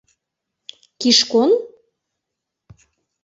Кишкон?